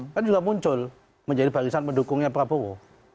kan juga muncul menjadi barisan pendukungnya prabowo